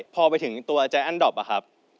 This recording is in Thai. พอไปถึงตัวแจ๊ะแอนด์ดอปครับ